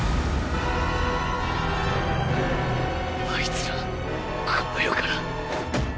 あいつらこの世から。